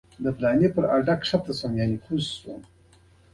انګړ تر خپل نظر لاندې وساتو، هغه بله کړکۍ.